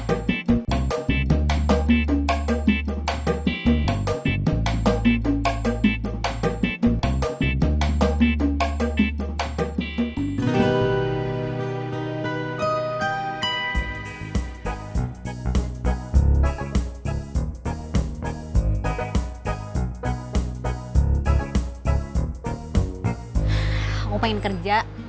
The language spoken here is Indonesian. aku pengen kerja